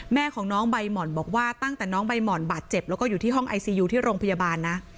แม่ของน้องใบหม่อนบอกว่าตั้งแต่น้องใบหม่อนบาดเจ็บแล้วก็อยู่ที่ห้องไอซียูที่โรงพยาบาลนะ